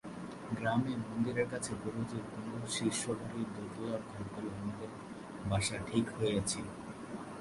গ্রামে মন্দিরের কাছে গুরুজির কোনো শিষ্যবাড়ির দোতলার ঘরগুলিতে আমাদের বাসা ঠিক হইয়াছিল।